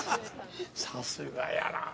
◆さすがやなあ。